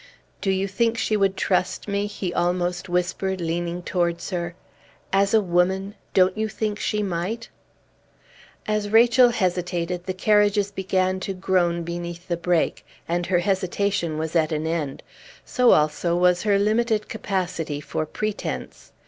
"Do you think she would trust me?" he almost whispered leaning towards her. "As a woman don't you think she might?" As Rachel hesitated the carriages began to groan beneath the brake; and her hesitation was at an end. So also was her limited capacity for pretence.